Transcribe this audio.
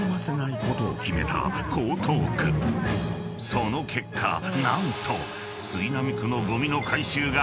［その結果何と］